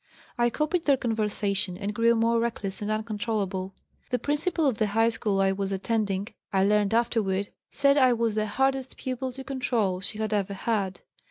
I copied their conversation and grew more reckless and uncontrollable. The principal of the high school I was attending, I learned afterward, said I was the hardest pupil to control she had ever had.